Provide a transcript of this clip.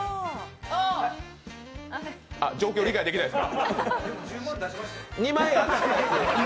あ、状況、理解できないですか？